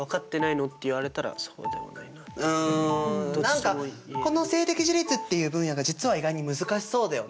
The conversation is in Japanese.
何かこの性的自立っていう分野が実は意外に難しそうだよね。